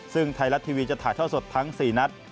ซึ่งไทยรัฐทีวีจะถ่ายท่อสดทั้ง๔นัด